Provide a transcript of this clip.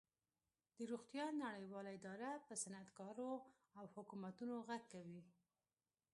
د روغتیا نړیواله اداره په صنعتکارو او حکومتونو غږ کوي